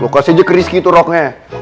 lo kasih aja kerisik itu roknya